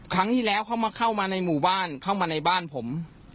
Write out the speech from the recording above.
ครั้งที่แล้วเข้ามาในหมู่บ้านเข้ามาในบ้านผม